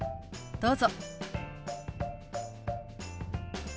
どうぞ。